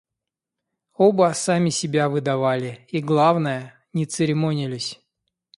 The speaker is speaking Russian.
Оба сами себя выдавали и, главное, не церемонились.